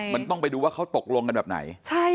มันต้องไปดูว่าเขาตกลงกันแบบไหน